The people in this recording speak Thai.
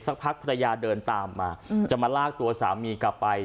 สักพักภรรยาเดินตามมาจะมาลากตัวสามีกลับไป